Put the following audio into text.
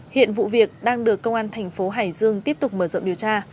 hiện vụ việc đang được công an thành phố hải dương tiếp tục mở rộng điều tra